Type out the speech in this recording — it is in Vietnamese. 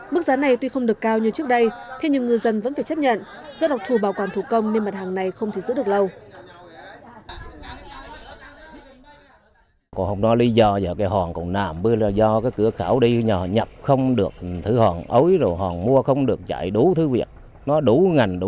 mức giá này tuy không được cao như trước đây thế nhưng ngư dân vẫn phải chấp nhận do đặc thù bảo quản thủ công nên mặt hàng này không thể giữ được lâu